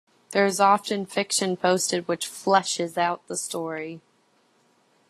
There is often fiction posted which fleshes out the story.